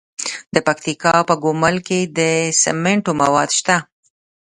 د پکتیکا په ګومل کې د سمنټو مواد شته.